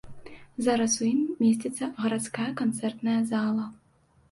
Зараз у ім месціцца гарадская канцэртная зала.